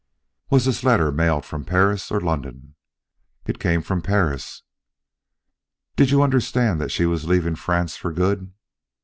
"Was this letter mailed from Paris or London?" "It came from Paris." "Did you understand that she was leaving France for good?"